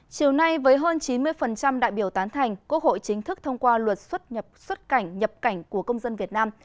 chiều nay với hơn chín mươi đại biểu tán thành quốc hội chính thức thông qua luật xuất cảnh nhập cảnh của công dân việt nam